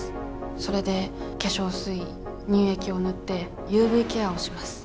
それで化粧水乳液を塗ってＵＶケアをします。